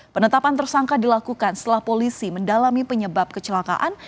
penetapan tersangka dilakukan setelah polisi mendalami penyebab kecelakaan